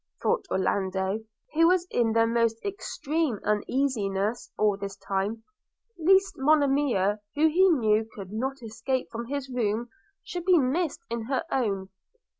thought Orlando, who was in the most extreme uneasiness all this time, lest Monimia, who he knew could not escape from his room should be missed in her own.